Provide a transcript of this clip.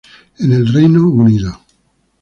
En el Reino Unido.